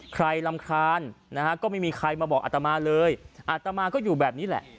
รำคาญนะฮะก็ไม่มีใครมาบอกอัตมาเลยอัตมาก็อยู่แบบนี้แหละ